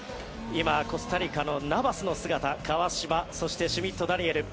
今、コスタリカのナバスの姿川島そしてシュミット・ダニエル。